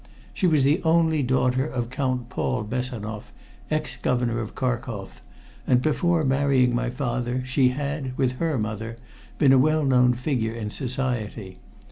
She was the only daughter of Count Paul Bessanoff, ex Governor of Kharkoff, and before marrying my father she had, with her mother, been a well known figure in society.